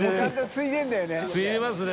継いでますね。